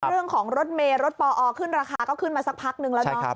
เรื่องของรถเมย์รถปอขึ้นราคาก็ขึ้นมาสักพักนึงแล้วเนาะ